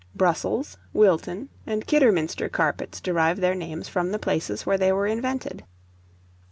Brussels, Wilton, and Kidderminster carpets derive their names from the places where they were invented.